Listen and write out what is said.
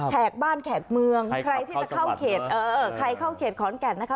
แขกบ้านแขกเมืองใครที่จะเข้าเขตเออใครเข้าเขตขอนแก่นนะคะ